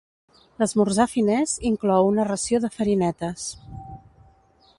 L'esmorzar finès inclou una ració de farinetes.